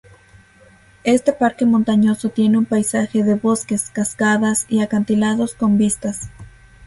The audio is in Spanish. Este parque montañoso tiene un paisaje de bosques, cascadas y acantilados con vistas.